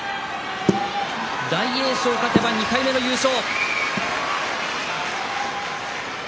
大栄翔、勝てば２回目の優勝。